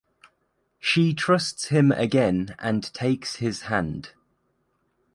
She trusts him again and takes his hand.